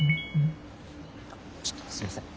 ちょっとすいません。